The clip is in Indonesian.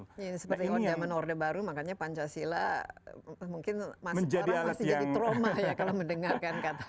ya ini seperti zaman zaman orde baru makanya pancasila mungkin masih jadi trauma ya kalau mendengarkan kata